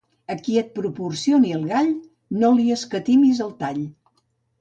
A qui et proporcioni el gall, no li escatimis el tall.